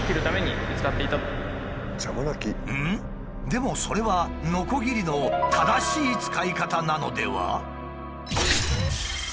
でもそれはノコギリの正しい使い方なのでは？